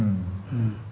うん。